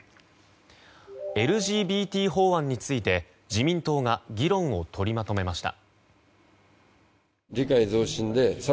ＬＧＢＴ法案について、自民党が議論を取りまとめました。